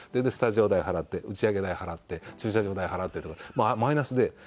でスタジオ代を払って打ち上げ代を払って駐車場代を払ってとかマイナスで。